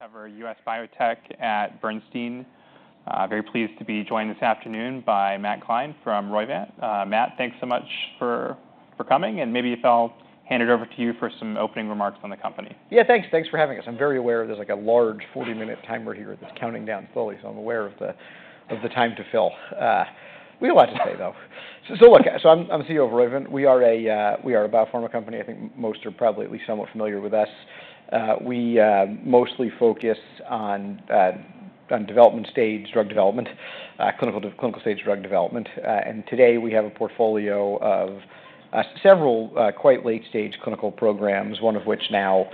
Cover U.S. Biotech at Bernstein. Very pleased to be joined this afternoon by Matt Gline from Roivant. Matt, thanks so much for coming, and maybe if I'll hand it over to you for some opening remarks on the company. Yeah, thanks. Thanks for having us. I'm very aware there's like a large 40-minute timer here that's counting down slowly, so I'm aware of the time to fill. We have a lot to say, though. So look, I'm CEO of Roivant. We are a biopharma company. I think most are probably at least somewhat familiar with us. We mostly focus on development stage drug development, clinical stage drug development. And today we have a portfolio of several quite late-stage clinical programs, one of which now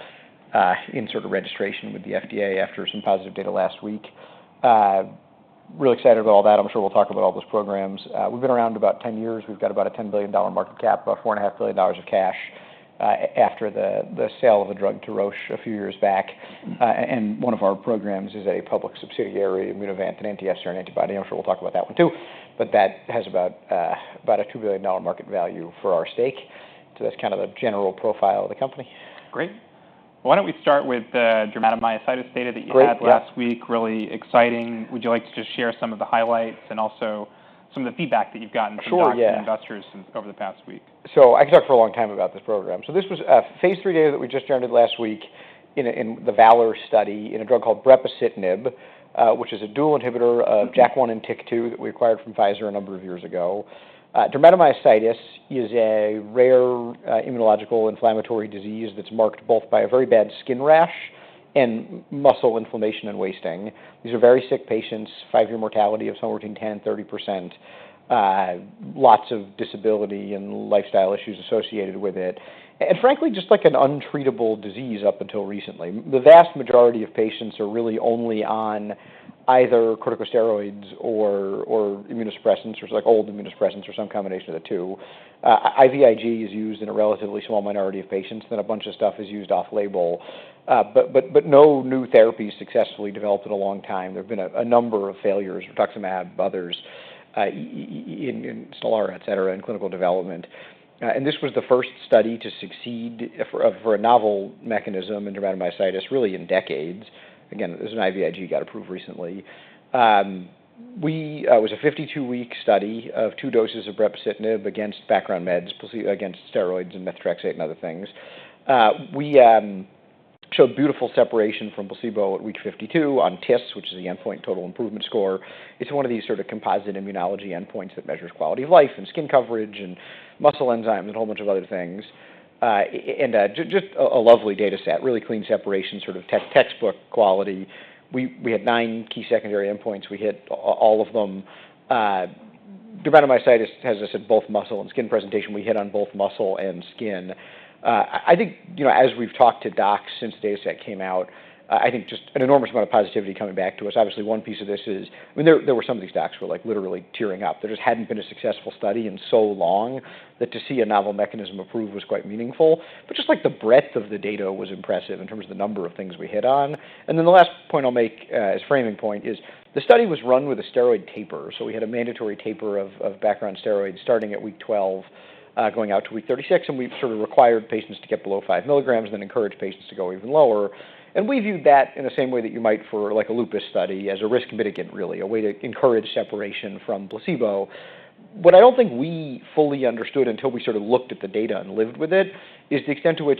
in sort of registration with the FDA after some positive data last week. Really excited about all that. I'm sure we'll talk about all those programs. We've been around about 10 years. We've got about a $10 billion market cap, about $4.5 billion of cash after the sale of the drug to Roche a few years back. And one of our programs is a public subsidiary, Immunovant, an Anti-FcRn Antibody. I'm sure we'll talk about that one too. But that has about a $2 billion market value for our stake. So that's kind of the general profile of the company. Great. Why don't we start with the Dermatomyositis data that you had last week? Really exciting. Would you like to just share some of the highlights and also some of the feedback that you've gotten from investors over the past week? I can talk for a long time about this program. This was phase three data that we just generated last week in the Valor study in a drug called Brepocitinib, which is a dual inhibitor of JAK1 and TYK2 that we acquired from Pfizer a number of years ago. Dermatomyositis is a rare immunological inflammatory disease that's marked both by a very bad skin rash and muscle inflammation and wasting. These are very sick patients, five-year mortality of somewhere between 10%-30%, lots of disability and lifestyle issues associated with it. And frankly, just like an untreatable disease up until recently. The vast majority of patients are really only on either corticosteroids or immunosuppressants or like old immunosuppressants or some combination of the two. IVIG is used in a relatively small minority of patients. Then a bunch of stuff is used off-label. But no new therapy is successfully developed in a long time. There have been a number of failures, Rituximab, others, Stelara, et cetera, in clinical development. And this was the first study to succeed for a novel mechanism in dermatomyositis really in decades. Again, this is an IVIG got approved recently. It was a 52-week study of two doses of Brepocitinib against background meds, against steroids and Methotrexate and other things. We showed beautiful separation from placebo at week 52 on TISS, which is the endpoint total improvement score. It's one of these sort of composite immunology endpoints that measures quality of life and skin coverage and muscle enzymes and a whole bunch of other things. And just a lovely data set, really clean separation, sort of textbook quality. We had nine key secondary endpoints. We hit all of them. Dermatomyositis has us at both muscle and skin presentation. We hit on both muscle and skin. I think as we've talked to docs since the data set came out, I think just an enormous amount of positivity coming back to us. Obviously, one piece of this is there were some of these docs who were like literally tearing up. There just hadn't been a successful study in so long that to see a novel mechanism approved was quite meaningful, but just like the breadth of the data was impressive in terms of the number of things we hit on, and then the last point I'll make as a framing point is the study was run with a steroid taper, so we had a mandatory taper of background steroids starting at week 12, going out to week 36, and we sort of required patients to get below five milligrams and then encouraged patients to go even lower. We viewed that in the same way that you might for like a lupus study as a risk mitigant, really, a way to encourage separation from placebo. What I don't think we fully understood until we sort of looked at the data and lived with it is the extent to which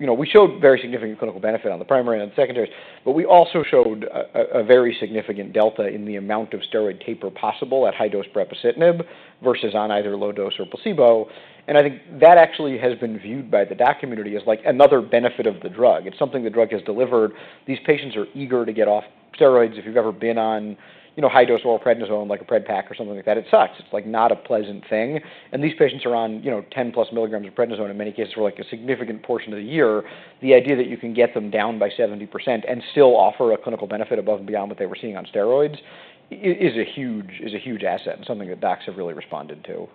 we showed very significant clinical benefit on the primary and the secondaries. We also showed a very significant delta in the amount of steroid taper possible at high-dose Brepocitinib versus on either low dose or placebo. I think that actually has been viewed by the doc community as like another benefit of the drug. It's something the drug has delivered. These patients are eager to get off steroids. If you've ever been on high-dose oral prednisone like a Pred-Pak or something like that, it sucks. It's like not a pleasant thing. These patients are on 10 plus milligrams of Prednisone in many cases for like a significant portion of the year. The idea that you can get them down by 70% and still offer a clinical benefit above and beyond what they were seeing on steroids is a huge asset and something that docs have really responded to.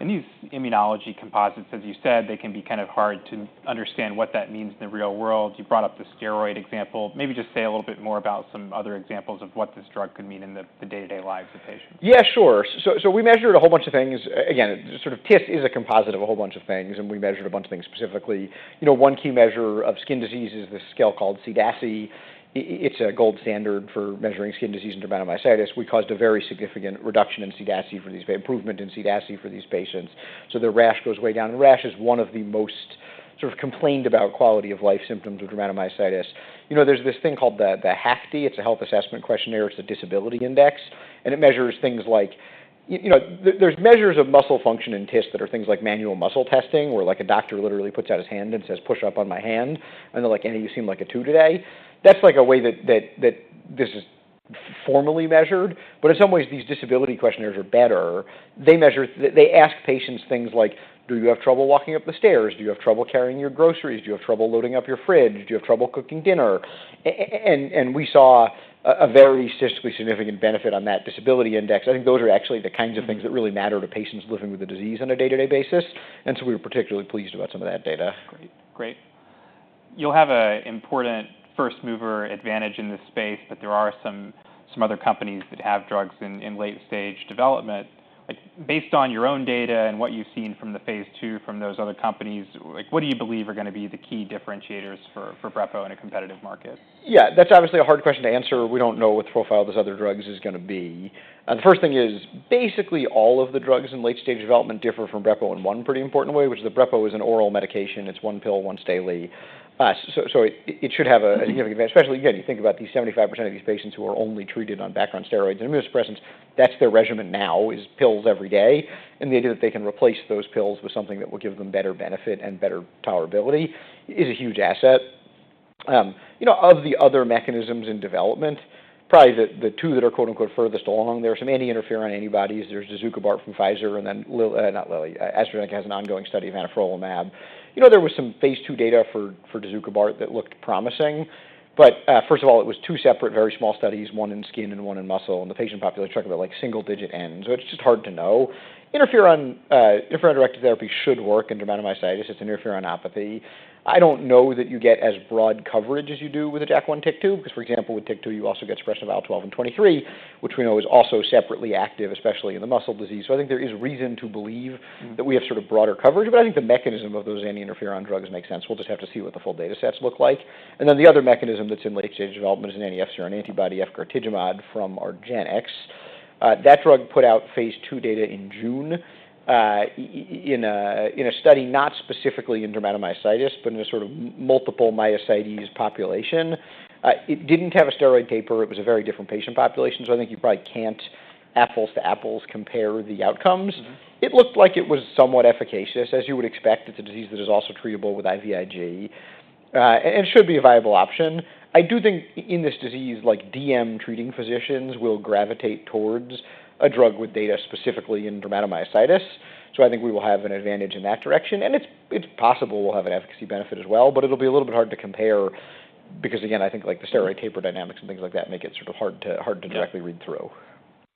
And these immunology composites, as you said, they can be kind of hard to understand what that means in the real world. You brought up the steroid example. Maybe just say a little bit more about some other examples of what this drug could mean in the day-to-day lives of patients. Yeah, sure. So we measured a whole bunch of things. Again, sort of TISS is a composite of a whole bunch of things, and we measured a bunch of things specifically. One key measure of skin disease is this scale called CDASI. It's a gold standard for measuring skin disease and dermatomyositis. We saw a very significant reduction in CDASI for these patients. Improvement in CDASI for these patients. So their rash goes way down. And rash is one of the most sort of complained about quality of life symptoms of dermatomyositis. There's this thing called the HAQ-DI. It's a health assessment questionnaire. It's a disability index. It measures things like there's measures of muscle function in TISS that are things like manual muscle testing where like a doctor literally puts out his hand and says, "Push up on my hand." And they're like, "Annie, you seem like a two today." That's like a way that this is formally measured. But in some ways, these disability questionnaires are better. They ask patients things like, "Do you have trouble walking up the stairs? Do you have trouble carrying your groceries? Do you have trouble loading up your fridge? Do you have trouble cooking dinner?" And we saw a very statistically significant benefit on that disability index. I think those are actually the kinds of things that really matter to patients living with the disease on a day-to-day basis. And so we were particularly pleased about some of that data. Great. You'll have an important first mover advantage in this space, but there are some other companies that have drugs in late-stage development. Based on your own data and what you've seen from the phase II from those other companies, what do you believe are going to be the key differentiators for Brepo in a competitive market? Yeah, that's obviously a hard question to answer. We don't know what the profile of those other drugs is going to be. The first thing is basically all of the drugs in late-stage development differ from Brepo in one pretty important way, which is that Brepo is an oral medication. It's one pill once daily. So it should have a significant advantage, especially again, you think about these 75% of these patients who are only treated on background steroids and immunosuppressants. That's their regimen now is pills every day. And the idea that they can replace those pills with something that will give them better benefit and better tolerability is a huge asset. Of the other mechanisms in development, probably the two that are "furthest along," there are some anti-interferon antibodies. There's Dazukibart from Pfizer. And then not Lilly, AstraZeneca has an ongoing study of Anifrolumab. There was some phase two data for Sifalimumab that looked promising, but first of all, it was two separate very small studies, one in skin and one in muscle, and the patient population is talking about like single-digit n's, so it's just hard to know. Interferon-directed therapy should work in dermatomyositis. It's an interferonopathy. I don't know that you get as broad coverage as you do with a JAK1, TYK2, because for example, with TYK2, you also get suppression of IL-12 and IL-23, which we know is also separately active, especially in the muscle disease, so I think there is reason to believe that we have sort of broader coverage, but I think the mechanism of those anti-interferon drugs makes sense. We'll just have to see what the full data sets look like, and then the other mechanism that's in late-stage development is an Anti-FcRn Antibody, efgartigimod from Argenx. That drug put out phase two data in June in a study not specifically in dermatomyositis, but in a sort of multiple myositis population. It didn't have a steroid taper. It was a very different patient population. So I think you probably can't apples to apples compare the outcomes. It looked like it was somewhat efficacious, as you would expect. It's a disease that is also treatable with IVIG. And it should be a viable option. I do think in this disease, like DM treating physicians will gravitate towards a drug with data specifically in dermatomyositis. So I think we will have an advantage in that direction. And it's possible we'll have an efficacy benefit as well, but it'll be a little bit hard to compare because again, I think like the steroid taper dynamics and things like that make it sort of hard to directly read through.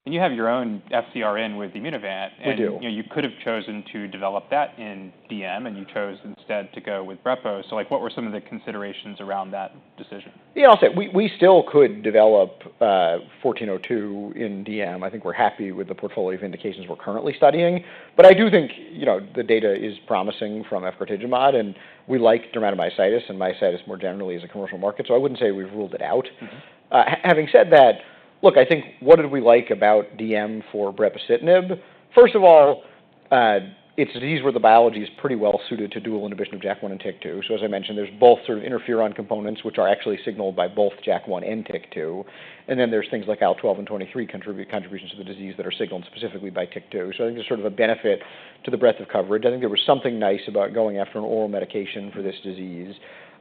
And you have your own FcRn with Immunovant. We do. You could have chosen to develop that in DM, and you chose instead to go with Brepo. So what were some of the considerations around that decision? Yeah, I'll say we still could develop 1402 in DM. I think we're happy with the portfolio of indications we're currently studying. But I do think the data is promising from FcRn antibody. And we like dermatomyositis and myositis more generally as a commercial market. So I wouldn't say we've ruled it out. Having said that, look, I think what did we like about DM for Brepocitinib? First of all, it's a disease where the biology is pretty well suited to dual inhibition of JAK1 and TYK2. So as I mentioned, there's both sort of interferon components, which are actually signaled by both JAK1 and TYK2. And then there's things like IL-12 and IL-23 contributions to the disease that are signaled specifically by TYK2. So I think there's sort of a benefit to the breadth of coverage. I think there was something nice about going after an oral medication for this disease,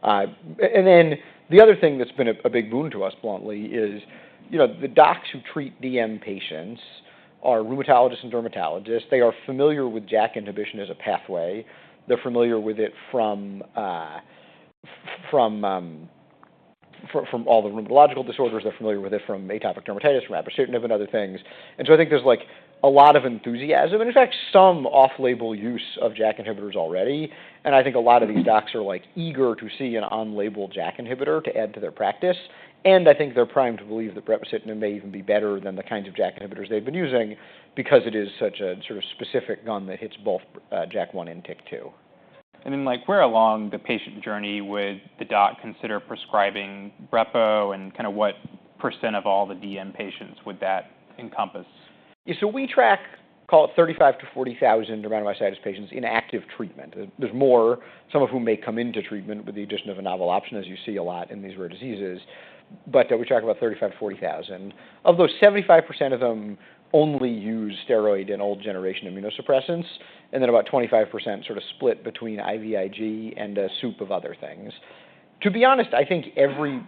and then the other thing that's been a big boon to us, bluntly, is the docs who treat DM patients are rheumatologists and dermatologists. They are familiar with JAK inhibition as a pathway. They're familiar with it from all the rheumatological disorders. They're familiar with it from atopic dermatitis, from abrocitinib and other things, and so I think there's like a lot of enthusiasm and in fact, some off-label use of JAK inhibitors already, and I think a lot of these docs are like eager to see an on-label JAK inhibitor to add to their practice, and I think they're primed to believe that Brepocitinib may even be better than the kinds of JAK inhibitors they've been using because it is such a sort of specific gun that hits both JAK1 and TYK2. Like, where along the patient journey would the doc consider prescribing Brepo, and kind of what % of all the DM patients would that encompass? So we track, call it 35,000-40,000 dermatomyositis patients in active treatment. There's more, some of whom may come into treatment with the addition of a novel option, as you see a lot in these rare diseases. But we track about 35,000-40,000. Of those, 75% of them only use steroid and old generation immunosuppressants. And then about 25% sort of split between IVIG and a soup of other things. To be honest, I think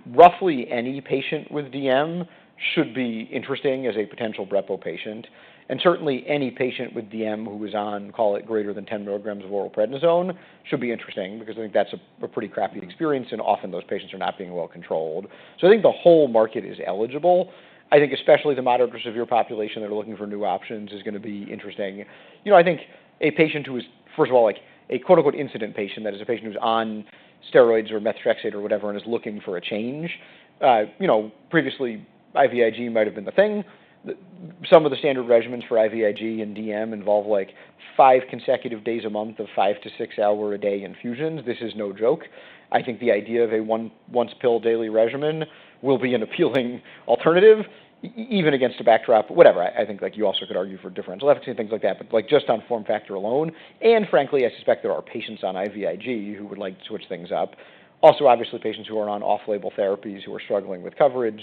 roughly any patient with DM should be interesting as a potential Brepo patient. And certainly any patient with DM who is on, call it greater than 10 milligrams of oral prednisone should be interesting because I think that's a pretty crappy experience. And often those patients are not being well controlled. So I think the whole market is eligible. I think especially the moderate or severe population that are looking for new options is going to be interesting. I think a patient who is, first of all, like a "incident patient" that is a patient who's on steroids or Methotrexate or whatever and is looking for a change. Previously, IVIG might have been the thing. Some of the standard regimens for IVIG and DM involve like five consecutive days a month of five- to six-hour-a-day infusions. This is no joke. I think the idea of a once pill daily regimen will be an appealing alternative even against a backdrop, whatever. I think like you also could argue for differential efficacy and things like that, but like just on form factor alone. Frankly, I suspect there are patients on IVIG who would like to switch things up. Also, obviously, patients who are on off-label therapies who are struggling with coverage,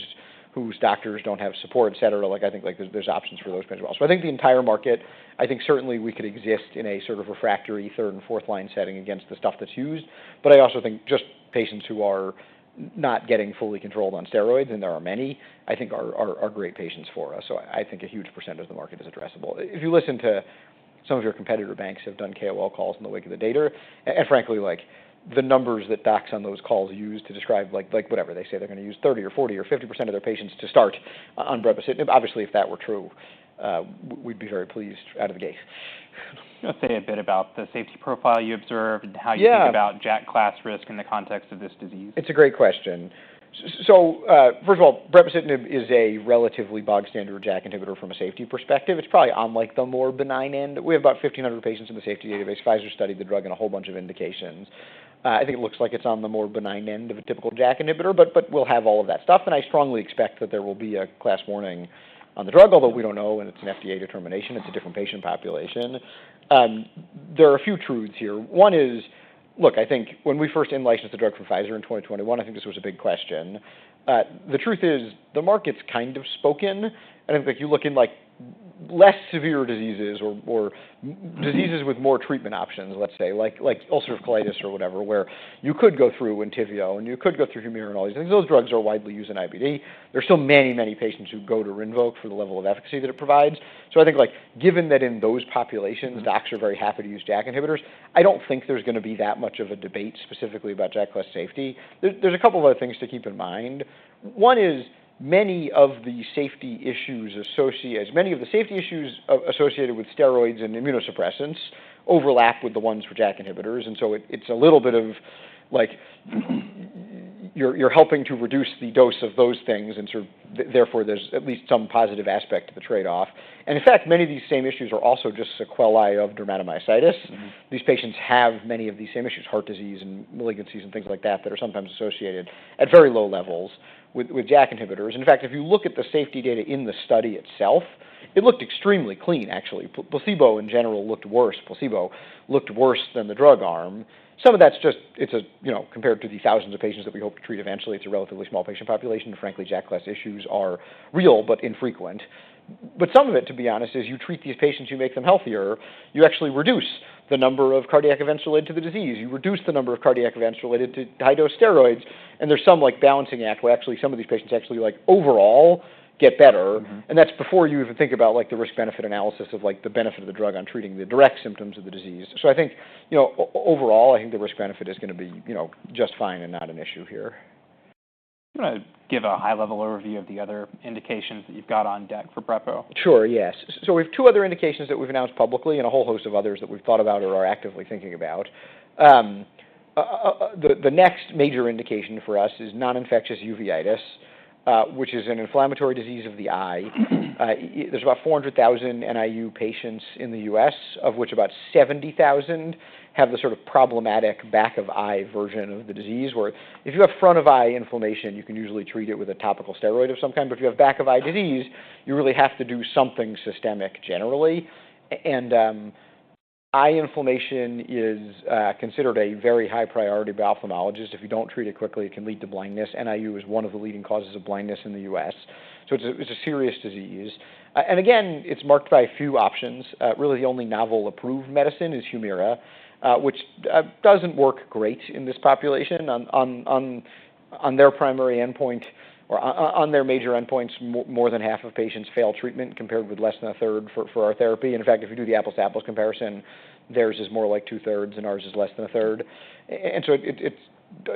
whose doctors don't have support, et cetera. Like, I think there's options for those patients as well. So, I think the entire market, I think certainly we could exist in a sort of refractory third and fourth line setting against the stuff that's used. But I also think just patients who are not getting fully controlled on steroids, and there are many, I think are great patients for us. So, I think a huge percent of the market is addressable. If you listen to some of your competitor banks have done KOL calls in the wake of the data. And frankly, like the numbers that docs on those calls use to describe like whatever they say they're going to use 30% or 40% or 50% of their patients to start on Brepocitinib. Obviously, if that were true, we'd be very pleased out of the gate. Say a bit about the safety profile you observed and how you think about JAK class risk in the context of this disease? It's a great question. So first of all, Brepocitinib is a relatively bog standard JAK inhibitor from a safety perspective. It's probably on like the more benign end. We have about 1,500 patients in the safety database. Pfizer studied the drug in a whole bunch of indications. I think it looks like it's on the more benign end of a typical JAK inhibitor, but we'll have all of that stuff, and I strongly expect that there will be a class warning on the drug, although we don't know, and it's an FDA determination. It's a different patient population. There are a few truths here. One is, look, I think when we first in-licensed the drug from Pfizer in 2021, I think this was a big question. The truth is the market's kind of spoken. I think like you look in like less severe diseases or diseases with more treatment options, let's say like ulcerative colitis or whatever, where you could go through Entyvio and you could go through Humira and all these things. Those drugs are widely used in IBD. There's still many, many patients who go to Rinvoq for the level of efficacy that it provides. So I think like given that in those populations, docs are very happy to use JAK inhibitors. I don't think there's going to be that much of a debate specifically about JAK class safety. There's a couple of other things to keep in mind. One is many of the safety issues associated with steroids and immunosuppressants overlap with the ones for JAK inhibitors. And so it's a little bit of like you're helping to reduce the dose of those things. And so therefore there's at least some positive aspect to the trade-off. And in fact, many of these same issues are also just sequelae of dermatomyositis. These patients have many of these same issues, heart disease and malignancies and things like that that are sometimes associated at very low levels with JAK inhibitors. In fact, if you look at the safety data in the study itself, it looked extremely clean, actually. Placebo in general looked worse. Placebo looked worse than the drug arm. Some of that's just, it's compared to the thousands of patients that we hope to treat eventually. It's a relatively small patient population. Frankly, JAK class issues are real but infrequent. But some of it, to be honest, is you treat these patients, you make them healthier, you actually reduce the number of cardiac events related to the disease. You reduce the number of cardiac events related to high-dose steroids. And there's some like balancing act where actually some of these patients actually like overall get better. And that's before you even think about like the risk-benefit analysis of like the benefit of the drug on treating the direct symptoms of the disease. So I think overall, I think the risk-benefit is going to be just fine and not an issue here. Do you want to give a high-level overview of the other indications that you've got on deck for Brepo? Sure, yes. So we have two other indications that we've announced publicly and a whole host of others that we've thought about or are actively thinking about. The next major indication for us is non-infectious uveitis, which is an inflammatory disease of the eye. There's about 400,000 NIU patients in the U.S., of which about 70,000 have the sort of problematic back of eye version of the disease where if you have front of eye inflammation, you can usually treat it with a topical steroid of some kind. But if you have back of eye disease, you really have to do something systemic generally. And eye inflammation is considered a very high priority by ophthalmologists. If you don't treat it quickly, it can lead to blindness. NIU is one of the leading causes of blindness in the U.S. So it's a serious disease. And again, it's marked by a few options. Really, the only novel approved medicine is Humira, which doesn't work great in this population. On their primary endpoint or on their major endpoints, more than half of patients fail treatment compared with less than a third for our therapy. In fact, if you do the apples-to-apples comparison, theirs is more like two-thirds and ours is less than a third. And so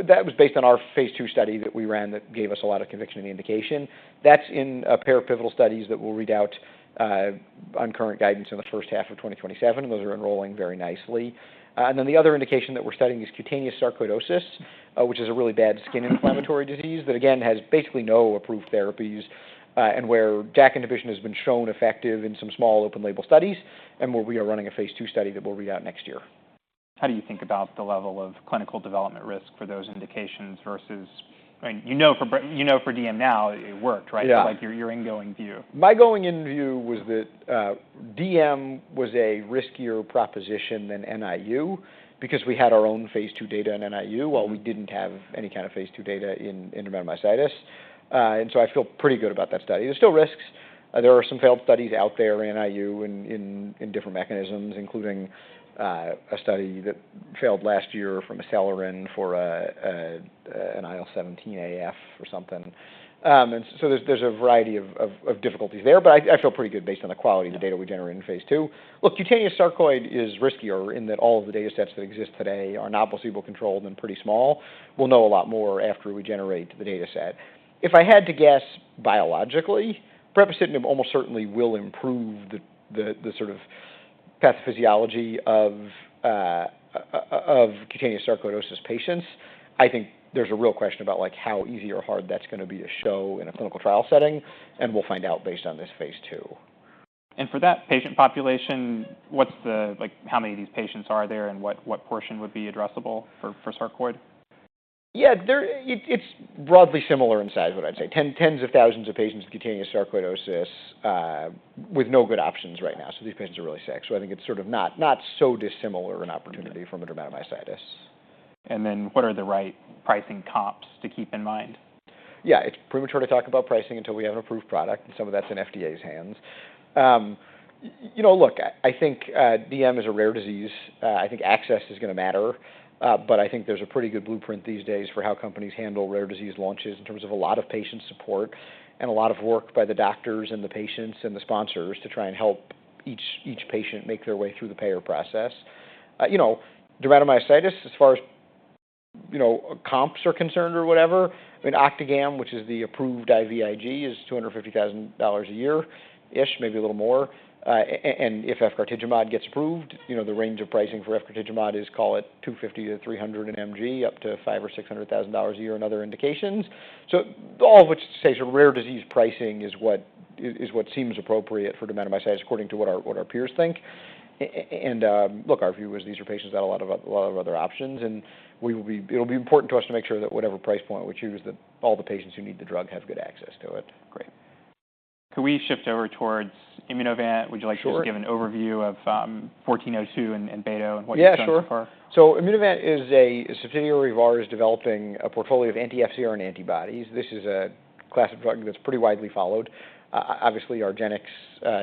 that was based on our phase two study that we ran that gave us a lot of conviction in the indication. That's in a pair of pivotal studies that we'll read out on current guidance in the first half of 2027. And those are enrolling very nicely. Then the other indication that we're studying is cutaneous sarcoidosis, which is a really bad skin inflammatory disease that again has basically no approved therapies and where JAK inhibition has been shown effective in some small open-label studies and where we are running a phase 2 study that we'll read out next year. How do you think about the level of clinical development risk for those indications versus, I mean, you know for DM now it worked, right? It's like your ingoing view. My going in view was that DM was a riskier proposition than NIU because we had our own phase 2 data in NIU while we didn't have any kind of phase 2 data in dermatomyositis, and so I feel pretty good about that study. There's still risks. There are some failed studies out there in NIU in different mechanisms, including a study that failed last year from Acelyrin for an IL-17A or something, and so there's a variety of difficulties there, but I feel pretty good based on the quality of the data we generate in phase 2. Look, cutaneous sarcoidosis is riskier in that all of the data sets that exist today are not placebo-controlled and pretty small. We'll know a lot more after we generate the data set. If I had to guess biologically, Brepocitinib almost certainly will improve the sort of pathophysiology of cutaneous sarcoidosis patients. I think there's a real question about like how easy or hard that's going to be to show in a clinical trial setting, and we'll find out based on this phase 2. For that patient population, what's, like, how many of these patients are there and what portion would be addressable for sarcoid? Yeah, it's broadly similar in size, what I'd say. Tens of thousands of patients with cutaneous sarcoidosis with no good options right now. So these patients are really sick. So I think it's sort of not so dissimilar an opportunity from a dermatomyositis. What are the right pricing comps to keep in mind? Yeah, it's premature to talk about pricing until we have an approved product, and some of that's in FDA's hands. You know, look, I think DM is a rare disease. I think access is going to matter. But I think there's a pretty good blueprint these days for how companies handle rare disease launches in terms of a lot of patient support and a lot of work by the doctors and the patients and the sponsors to try and help each patient make their way through the payer process. You know, dermatomyositis, as far as comps are concerned or whatever, I mean, Octagam, which is the approved IVIG, is $250,000 a year-ish, maybe a little more. And if Efgartigimod gets approved, you know, the range of pricing for Efgartigimod is, call it $250,000-$300,000 in MG up to $500,000 or $600,000 a year in other indications. So all of which to say sort of rare disease pricing is what seems appropriate for Dermatomyositis according to what our peers think, and look, our view is these are patients that have a lot of other options, and it'll be important to us to make sure that whatever price point we choose, that all the patients who need the drug have good access to it. Great. Can we shift over towards Immunovant? Would you like to give an overview of IMVT-1402 and batoclimab and what you've done so far? Yeah, sure. So Immunovant is a subsidiary of ours developing a portfolio of anti-FcRn antibodies. This is a class of drug that's pretty widely followed. Obviously, Argenx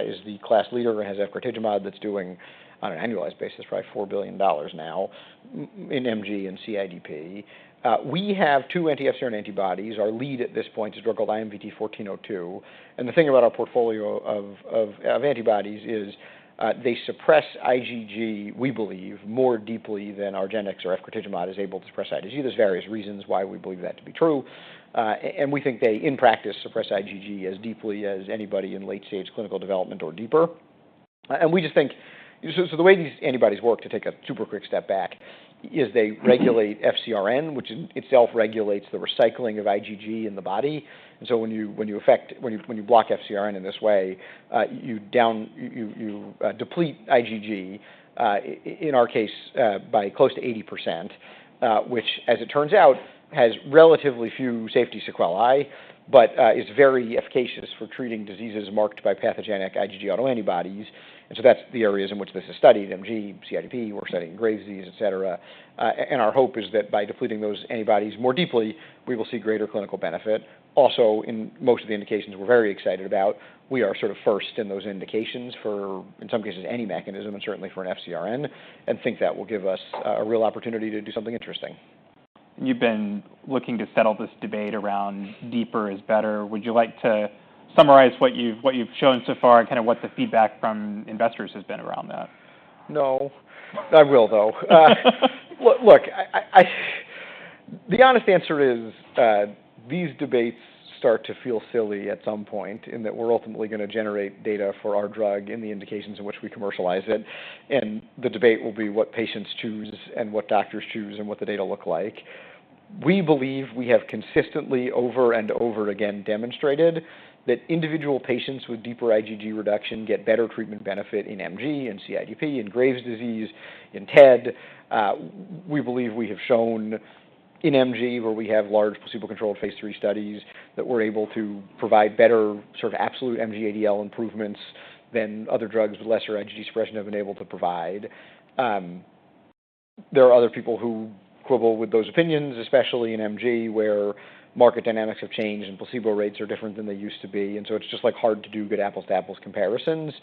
is the class leader and has Efgartigimod that's doing on an annualized basis probably $4 billion now in MG and CIDP. We have two anti-FcRn antibodies. Our lead at this point is a drug called IMVT-1402. And the thing about our portfolio of antibodies is they suppress IgG, we believe, more deeply than Argenx or Efgartigimod is able to suppress IgG. There's various reasons why we believe that to be true. And we think they in practice suppress IgG as deeply as anybody in late-stage clinical development or deeper. And we just think, so the way these antibodies work to take a super quick step back is they regulate FcRn, which in itself regulates the recycling of IgG in the body. And so when you affect, when you block FcRn in this way, you deplete IgG in our case by close to 80%, which as it turns out has relatively few safety sequelae, but is very efficacious for treating diseases marked by pathogenic IgG autoantibodies. And so that's the areas in which this is studied, MG, CIDP, we're studying Graves' disease, et cetera. And our hope is that by depleting those antibodies more deeply, we will see greater clinical benefit. Also, in most of the indications we're very excited about, we are sort of first in those indications for, in some cases, any mechanism and certainly for an FcRn. And think that will give us a real opportunity to do something interesting. You've been looking to settle this debate around deeper is better. Would you like to summarize what you've shown so far and kind of what the feedback from investors has been around that? No. I will though. Look, the honest answer is these debates start to feel silly at some point in that we're ultimately going to generate data for our drug in the indications in which we commercialize it, and the debate will be what patients choose and what doctors choose and what the data look like. We believe we have consistently over and over again demonstrated that individual patients with deeper IgG reduction get better treatment benefit in MG and CIDP and Graves' disease in TED. We believe we have shown in MG where we have large placebo-controlled phase three studies that we're able to provide better sort of absolute MG ADL improvements than other drugs with lesser IgG suppression have been able to provide. There are other people who quibble with those opinions, especially in MG where market dynamics have changed and placebo rates are different than they used to be. And so it's just like hard to do good apples-to-apples comparisons.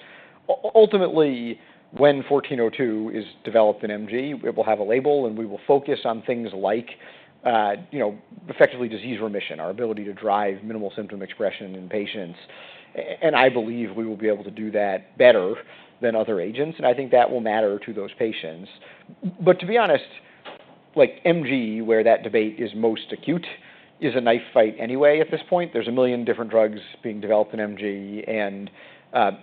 Ultimately, when 1402 is developed in MG, it will have a label and we will focus on things like effectively disease remission, our ability to drive minimal symptom expression in patients. And I believe we will be able to do that better than other agents. And I think that will matter to those patients. But to be honest, like MG where that debate is most acute is a knife fight anyway at this point. There's a million different drugs being developed in MG and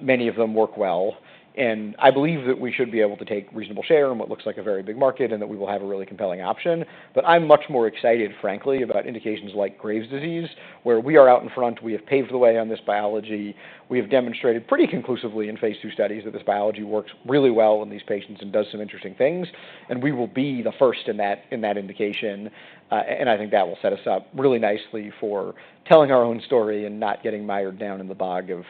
many of them work well. And I believe that we should be able to take reasonable share in what looks like a very big market and that we will have a really compelling option. But I'm much more excited, frankly, about indications like Graves' disease where we are out in front. We have paved the way on this biology. We have demonstrated pretty conclusively in phase two studies that this biology works really well in these patients and does some interesting things. And we will be the first in that indication. And I think that will set us up really nicely for telling our own story and not getting mired down in the bog of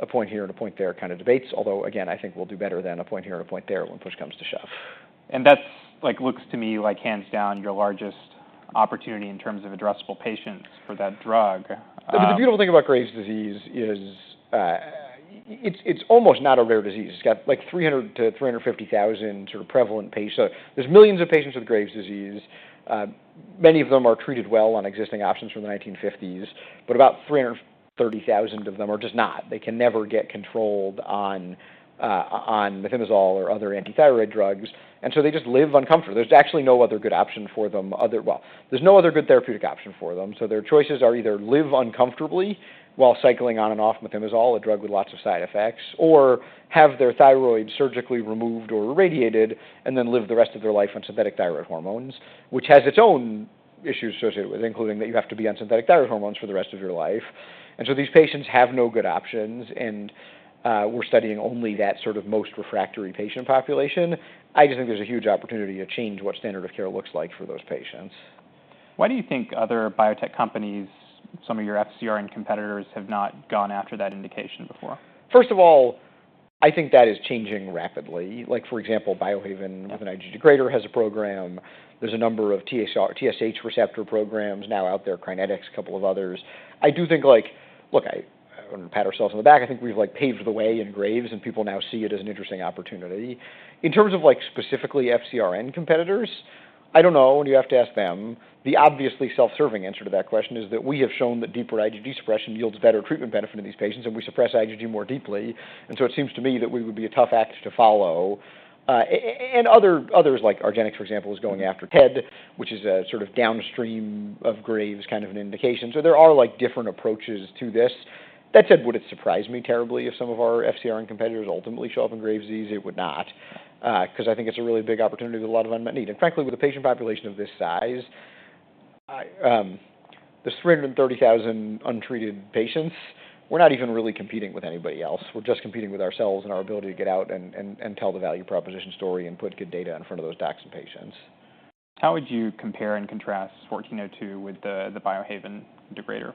a point here and a point there kind of debates. Although again, I think we'll do better than a point here and a point there when push comes to shove. That looks to me like hands down your largest opportunity in terms of addressable patients for that drug. The beautiful thing about Graves' disease is it's almost not a rare disease. It's got like 300-350,000 sort of prevalent patients. There's millions of patients with Graves' disease. Many of them are treated well on existing options from the 1950s, but about 330,000 of them are just not. They can never get controlled on methimazole or other anti-thyroid drugs, and so they just live uncomfortably. There's actually no other good option for them, well, there's no other good therapeutic option for them, so their choices are either live uncomfortably while cycling on and off methimazole, a drug with lots of side effects, or have their thyroid surgically removed or irradiated and then live the rest of their life on synthetic thyroid hormones, which has its own issues associated with it, including that you have to be on synthetic thyroid hormones for the rest of your life. These patients have no good options. We're studying only that sort of most refractory patient population. I just think there's a huge opportunity to change what standard of care looks like for those patients. Why do you think other biotech companies, some of your FcRn competitors have not gone after that indication before? First of all, I think that is changing rapidly. Like for example, Biohaven with an IgG degrader has a program. There's a number of TSH receptor programs now out there, KinetX, a couple of others. I do think like, look, I want to pat ourselves on the back. I think we've like paved the way in Graves' and people now see it as an interesting opportunity. In terms of like specifically FcRn competitors, I don't know, and you have to ask them. The obviously self-serving answer to that question is that we have shown that deeper IgG suppression yields better treatment benefit in these patients and we suppress IgG more deeply, and so it seems to me that we would be a tough act to follow, and others like Argenx, for example, is going after TED, which is a sort of downstream of Graves' kind of an indication. So there are like different approaches to this. That said, would it surprise me terribly if some of our FcRn competitors ultimately show up in Graves' disease? It would not. Because I think it's a really big opportunity with a lot of unmet need. And frankly, with a patient population of this size, there's 330,000 untreated patients. We're not even really competing with anybody else. We're just competing with ourselves and our ability to get out and tell the value proposition story and put good data in front of those docs and patients. How would you compare and contrast 1402 with the Biohaven degrader?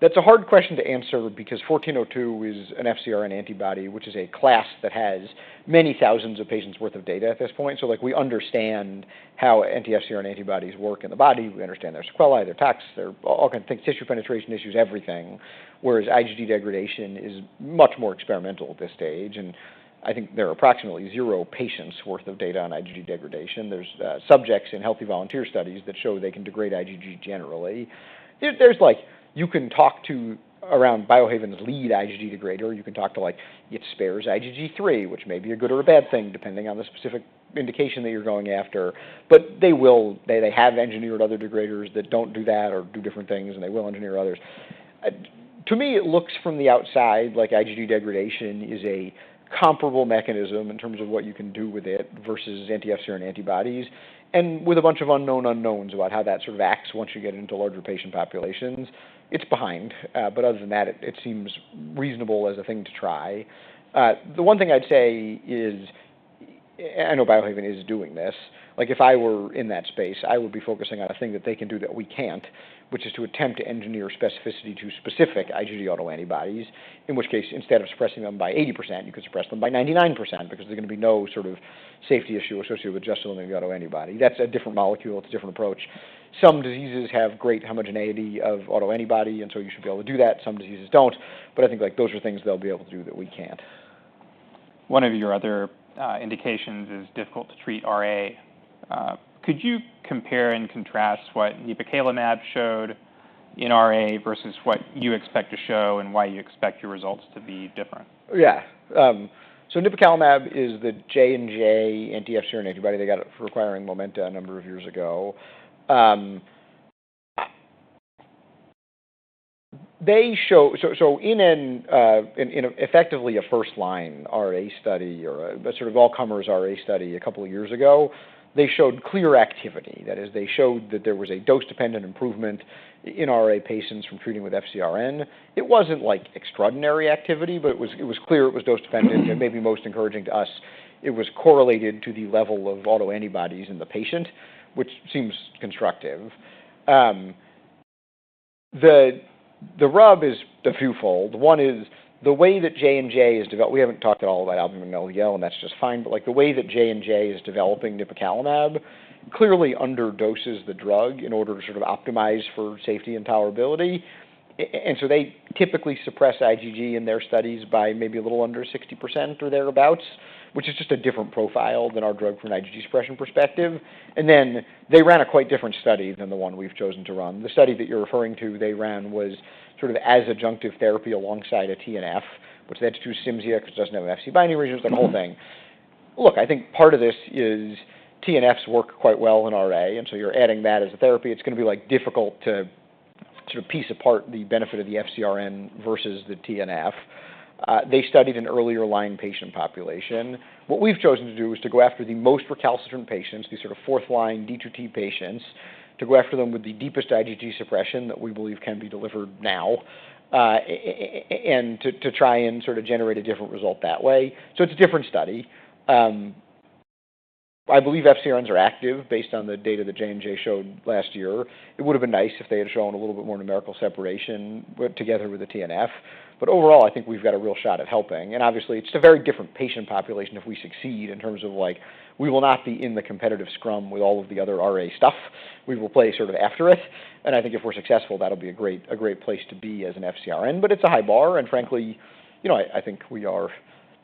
That's a hard question to answer because 1402 is an FcRn antibody, which is a class that has many thousands of patients' worth of data at this point. So like we understand how anti-FcRn antibodies work in the body. We understand their sequelae, their toxic, their all kinds of things, tissue penetration issues, everything. Whereas IgG degradation is much more experimental at this stage. And I think there are approximately zero patients' worth of data on IgG degradation. There's subjects in healthy volunteer studies that show they can degrade IgG generally. There's like, you can talk to around Biohaven's lead IgG degrader. You can talk to like it spares IgG3, which may be a good or a bad thing depending on the specific indication that you're going after. But they will, they have engineered other degraders that don't do that or do different things and they will engineer others. To me, it looks from the outside like IgG degradation is a comparable mechanism in terms of what you can do with it versus anti-FcRn antibodies, and with a bunch of unknown unknowns about how that sort of acts once you get into larger patient populations, it's behind, but other than that, it seems reasonable as a thing to try. The one thing I'd say is, I know Biohaven is doing this. Like if I were in that space, I would be focusing on a thing that they can do that we can't, which is to attempt to engineer specificity to specific IgG autoantibodies, in which case instead of suppressing them by 80%, you could suppress them by 99% because there's going to be no sort of safety issue associated with just eliminating the autoantibody. That's a different molecule. It's a different approach. Some diseases have great homogeneity of autoantibody. You should be able to do that. Some diseases don't. I think like those are things they'll be able to do that we can't. One of your other indications is difficult to treat RA. Could you compare and contrast what Nipocalimab showed in RA versus what you expect to show and why you expect your results to be different? Yeah. So Nipocalimab is the J&J Anti-FcRn Antibody. They got it from acquiring Momenta a number of years ago. So in effectively a first-line RA study or a sort of all-comers RA study a couple of years ago, they showed clear activity. That is, they showed that there was a dose-dependent improvement in RA patients from treating with FcRn. It wasn't like extraordinary activity, but it was clear it was dose-dependent and maybe most encouraging to us. It was correlated to the level of autoantibodies in the patient, which seems constructive. The rub is a few-fold. One is the way that J&J is developing it, we haven't talked at all about albumin and LDL and that's just fine. But like the way that J&J is developing Nipocalimab, clearly underdoses the drug in order to sort of optimize for safety and tolerability. And so they typically suppress IgG in their studies by maybe a little under 60% or thereabouts, which is just a different profile than our drug from an IgG suppression perspective. And then they ran a quite different study than the one we've chosen to run. The study that you're referring to they ran was sort of as adjunctive therapy alongside a TNF, which led to Cimzia because it doesn't have Fc binding regions like the whole thing. Look, I think part of this is TNFs work quite well in RA. And so you're adding that as a therapy. It's going to be like difficult to sort of piece apart the benefit of the FcRn versus the TNF. They studied an earlier line patient population. What we've chosen to do is to go after the most recalcitrant patients, the sort of fourth line D2T patients, to go after them with the deepest IgG suppression that we believe can be delivered now and to try and sort of generate a different result that way. So it's a different study. I believe FcRns are active based on the data that J&J showed last year. It would have been nice if they had shown a little bit more numerical separation together with the TNF. But overall, I think we've got a real shot at helping. And obviously, it's a very different patient population if we succeed in terms of like we will not be in the competitive scrum with all of the other RA stuff. We will play sort of after it. And I think if we're successful, that'll be a great place to be as an FcRn. But it's a high bar. And frankly, you know I think we are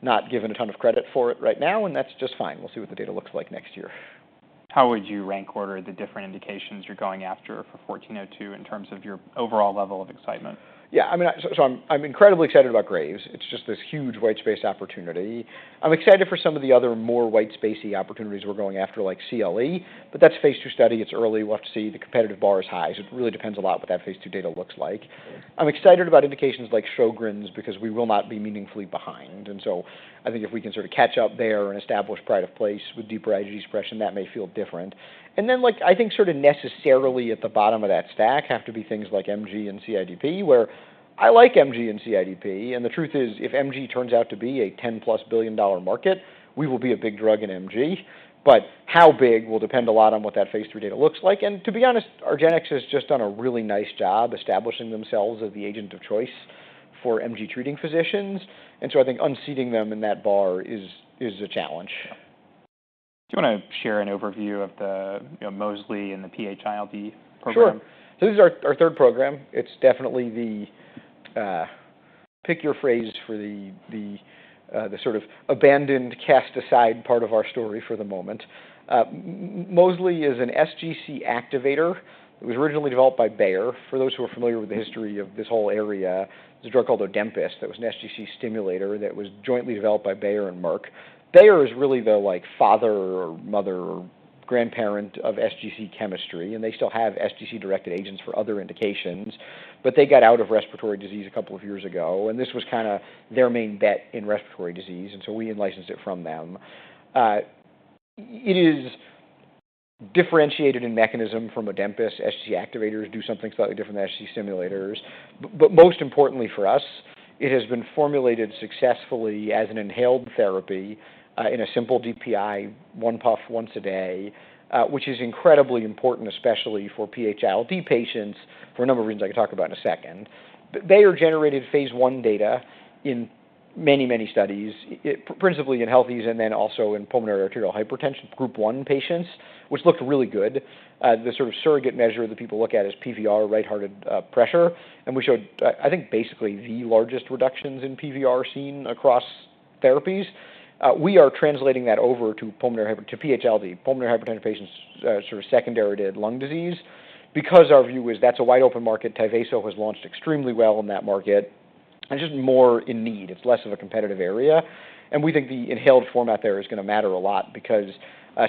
not given a ton of credit for it right now. And that's just fine. We'll see what the data looks like next year. How would you rank order the different indications you're going after for 1402 in terms of your overall level of excitement? Yeah. I mean, so I'm incredibly excited about Graves'. It's just this huge white space opportunity. I'm excited for some of the other more white spacey opportunities we're going after like CLE. But that's phase two study. It's early. We'll have to see. The competitive bar is high. So it really depends a lot what that phase two data looks like. I'm excited about indications like Sjogren's because we will not be meaningfully behind. And so I think if we can sort of catch up there and establish pride of place with deeper IgG suppression, that may feel different. And then like I think sort of necessarily at the bottom of that stack have to be things like MG and CIDP where I like MG and CIDP. And the truth is, if MG turns out to be a $10-plus billion-dollar market, we will be a big drug in MG. But how big will depend a lot on what that phase 3 data looks like. And to be honest, Argenx has just done a really nice job establishing themselves as the agent of choice for MG-treating physicians. And so I think unseating them in that bar is a challenge. Do you want to share an overview of the Mosliciguat and the PH-ILD program? Sure. So this is our third program. It's definitely the pick your phrase for the sort of abandoned cast aside part of our story for the moment. Mosliciguat is an sGC activator. It was originally developed by Bayer. For those who are familiar with the history of this whole area, there's a drug called Adempas that was an sGC stimulator that was jointly developed by Bayer and Merck. Bayer is really the like father or mother or grandparent of sGC chemistry. And they still have sGC directed agents for other indications. But they got out of respiratory disease a couple of years ago. And this was kind of their main bet in respiratory disease. And so we licensed it from them. It is differentiated in mechanism from Adempas. sGC activators do something slightly different than sGC stimulators. But most importantly for us, it has been formulated successfully as an inhaled therapy in a simple DPI, one puff once a day, which is incredibly important, especially for PH-ILD patients for a number of reasons I can talk about in a second. Bayer generated phase one data in many, many studies, principally in healthies and then also in pulmonary arterial hypertension group one patients, which looked really good. The sort of surrogate measure that people look at is PVR, right heart pressure. And we showed, I think basically the largest reductions in PVR seen across therapies. We are translating that over to PH-ILD, pulmonary hypertension patients sort of secondary to lung disease. Because our view is that's a wide open market. Tyvaso has launched extremely well in that market. It's just more in need. It's less of a competitive area. We think the inhaled format there is going to matter a lot because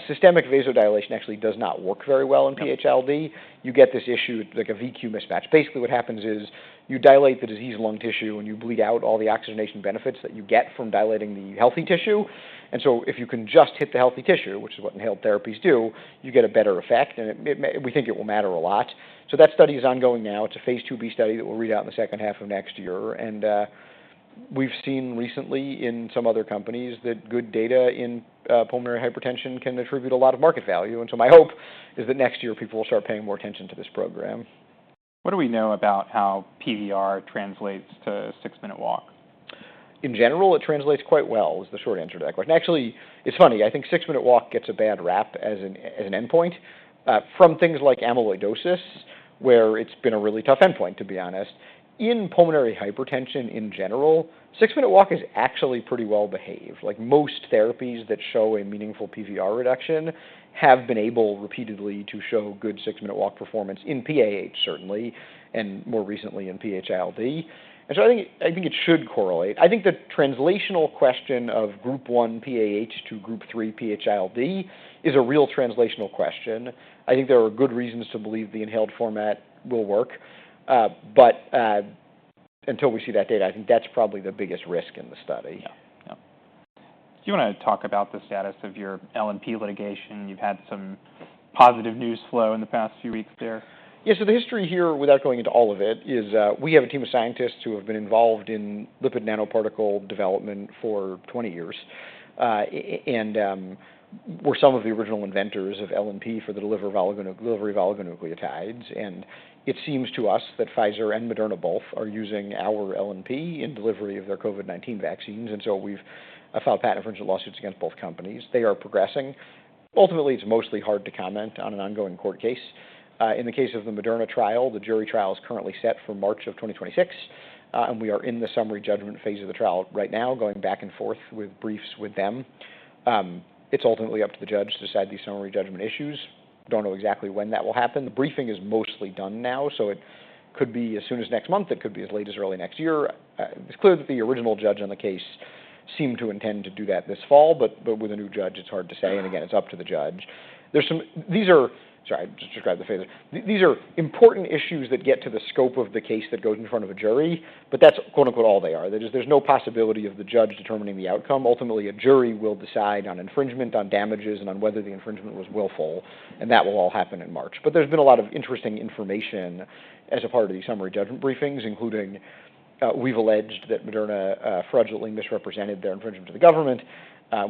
systemic vasodilation actually does not work very well in PH-ILD. You get this issue with like a VQ mismatch. Basically what happens is you dilate the disease lung tissue and you bleed out all the oxygenation benefits that you get from dilating the healthy tissue. If you can just hit the healthy tissue, which is what inhaled therapies do, you get a better effect. We think it will matter a lot. That study is ongoing now. It's a phase 2B study that we'll read out in the second half of next year. We've seen recently in some other companies that good data in pulmonary hypertension can attribute a lot of market value. My hope is that next year people will start paying more attention to this program. What do we know about how PVR translates to six-minute walk? In general, it translates quite well, is the short answer to that question. Actually, it's funny. I think six-minute walk gets a bad rap as an endpoint from things like amyloidosis where it's been a really tough endpoint, to be honest. In pulmonary hypertension in general, six-minute walk is actually pretty well behaved. Like most therapies that show a meaningful PVR reduction have been able repeatedly to show good six-minute walk performance in PAH certainly and more recently in PH-ILD. And so I think it should correlate. I think the translational question of group one PAH to group three PH-ILD is a real translational question. I think there are good reasons to believe the inhaled format will work. But until we see that data, I think that's probably the biggest risk in the study. Yeah. Do you want to talk about the status of your LNP litigation? You've had some positive news flow in the past few weeks there. Yeah. So the history here without going into all of it is we have a team of scientists who have been involved in lipid nanoparticle development for 20 years and were some of the original inventors of LNP for the delivery of oligonucleotides. And it seems to us that Pfizer and Moderna both are using our LNP in delivery of their COVID-19 vaccines. And so we've filed patent infringement lawsuits against both companies. They are progressing. Ultimately, it's mostly hard to comment on an ongoing court case. In the case of the Moderna trial, the jury trial is currently set for March of 2026. And we are in the summary judgment phase of the trial right now, going back and forth with briefs with them. It's ultimately up to the judge to decide these summary judgment issues. Don't know exactly when that will happen. The briefing is mostly done now. So it could be as soon as next month. It could be as late as early next year. It's clear that the original judge on the case seemed to intend to do that this fall. But with a new judge, it's hard to say. And again, it's up to the judge. These are, sorry, I just described the phase. These are important issues that get to the scope of the case that goes in front of a jury. But that's "all they are." There's no possibility of the judge determining the outcome. Ultimately, a jury will decide on infringement, on damages, and on whether the infringement was willful. And that will all happen in March. But there's been a lot of interesting information as a part of these summary judgment briefings, including we've alleged that Moderna fraudulently misrepresented their infringement to the government.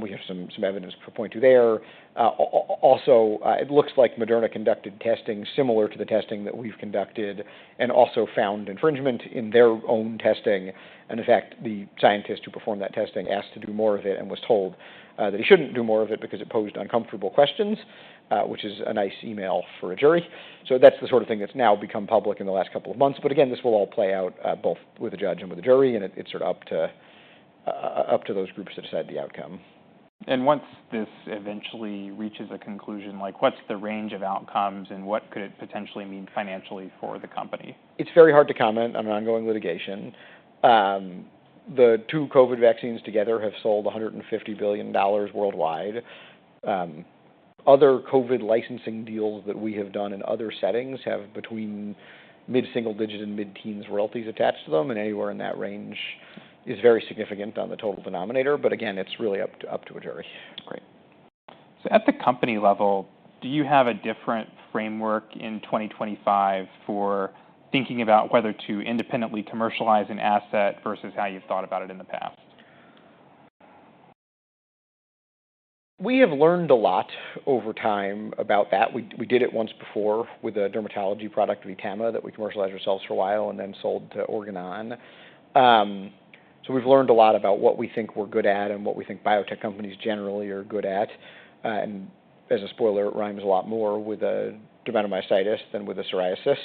We have some evidence to point to there. Also, it looks like Moderna conducted testing similar to the testing that we've conducted and also found infringement in their own testing. And in fact, the scientist who performed that testing asked to do more of it and was told that he shouldn't do more of it because it posed uncomfortable questions, which is a nice email for a jury. So that's the sort of thing that's now become public in the last couple of months. But again, this will all play out both with the judge and with the jury. And it's sort of up to those groups to decide the outcome. Once this eventually reaches a conclusion, like what's the range of outcomes and what could it potentially mean financially for the company? It's very hard to comment on an ongoing litigation. The two COVID vaccines together have sold $150 billion worldwide. Other COVID licensing deals that we have done in other settings have between mid-single digit and mid-teens royalties attached to them. And anywhere in that range is very significant on the total denominator. But again, it's really up to a jury. Great. So at the company level, do you have a different framework in 2025 for thinking about whether to independently commercialize an asset versus how you've thought about it in the past? We have learned a lot over time about that. We did it once before with a dermatology product of Vtama that we commercialized ourselves for a while and then sold to Organon. So we've learned a lot about what we think we're good at and what we think biotech companies generally are good at. And as a spoiler, it rhymes a lot more with dermatomyositis than with psoriasis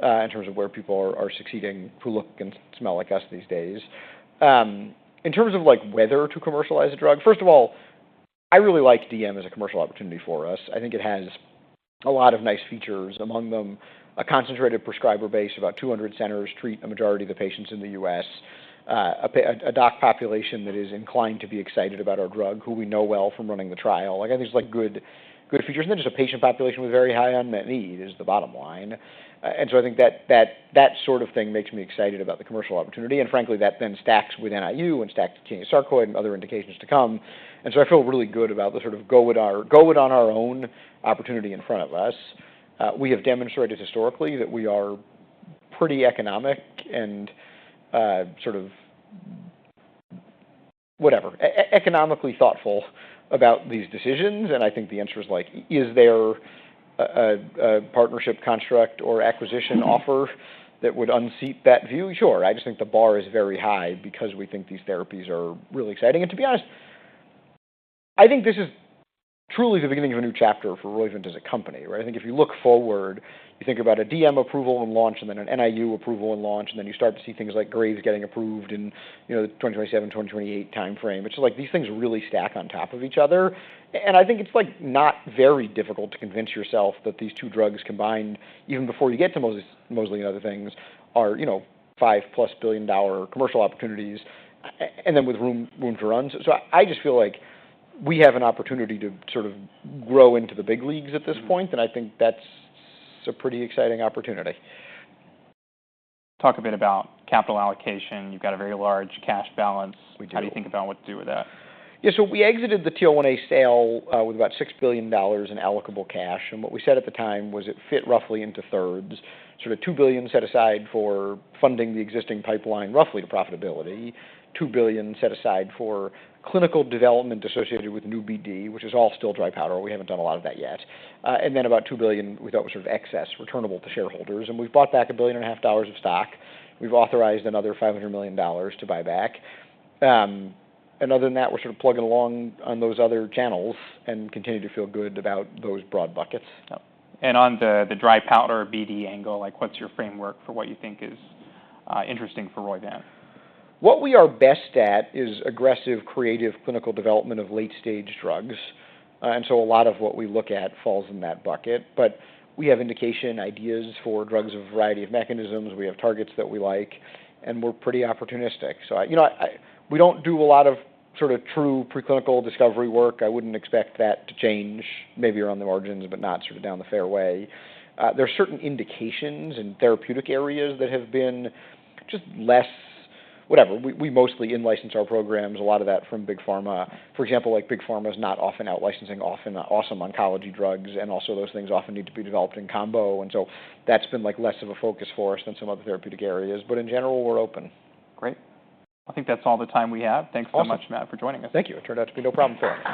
in terms of where people are succeeding who look and smell like us these days. In terms of like whether to commercialize a drug, first of all, I really like DM as a commercial opportunity for us. I think it has a lot of nice features, among them a concentrated prescriber base, about 200 centers treat a majority of the patients in the U.S., a doc population that is inclined to be excited about our drug, who we know well from running the trial, like I think it's like good features, and then just a patient population with very high unmet need is the bottom line, and so I think that sort of thing makes me excited about the commercial opportunity, and frankly, that then stacks with NIU and stacks with cutaneous sarcoid and other indications to come, and so I feel really good about the sort of go it on our own opportunity in front of us. We have demonstrated historically that we are pretty economic and sort of whatever, economically thoughtful about these decisions. And I think the answer is like, is there a partnership construct or acquisition offer that would unseat that view? Sure. I just think the bar is very high because we think these therapies are really exciting. And to be honest, I think this is truly the beginning of a new chapter for Roivant as a company, right? I think if you look forward, you think about a DM approval and launch and then an NIU approval and launch. And then you start to see things like Graves getting approved in the 2027, 2028 timeframe. It's just like these things really stack on top of each other. And I think it's like not very difficult to convince yourself that these two drugs combined, even before you get to Mosliciguat and other things, are five-plus billion-dollar commercial opportunities and then with room to run. So I just feel like we have an opportunity to sort of grow into the big leagues at this point. And I think that's a pretty exciting opportunity. Talk a bit about capital allocation. You've got a very large cash balance. How do you think about what to do with that? Yeah. So we exited the TL1A sale with about $6 billion in allocable cash. And what we said at the time was it fit roughly into thirds. Sort of $2 billion set aside for funding the existing pipeline roughly to profitability, $2 billion set aside for clinical development associated with new BD, which is all still dry powder. We haven't done a lot of that yet. And then about $2 billion we thought was sort of excess returnable to shareholders. And we've bought back $1.5 billion of stock. We've authorized another $500 million to buy back. And other than that, we're sort of plugging along on those other channels and continue to feel good about those broad buckets. On the dry powder BD angle, like what's your framework for what you think is interesting for Roivant? What we are best at is aggressive creative clinical development of late stage drugs, and so a lot of what we look at falls in that bucket, but we have indication ideas for drugs of a variety of mechanisms. We have targets that we like, and we're pretty opportunistic, so we don't do a lot of sort of true preclinical discovery work. I wouldn't expect that to change. Maybe you're on the margins, but not sort of down the fairway. There are certain indications in therapeutic areas that have been just less, whatever. We mostly in-license our programs, a lot of that from Big Pharma. For example, like Big Pharma is not often out-licensing often awesome oncology drugs, and also those things often need to be developed in combo, and so that's been like less of a focus for us than some other therapeutic areas. But in general, we're open. Great. I think that's all the time we have. Thanks so much, Matt, for joining us. Thank you. It turned out to be no problem for us.